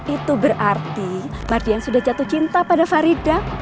itu berarti mardian sudah jatuh cinta pada farida